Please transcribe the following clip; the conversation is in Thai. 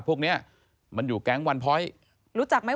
พวกนี้มันอยู่แก๊งวันเพา้ย